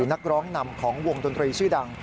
นักร้องนำของวงดนตรีชื่อดัง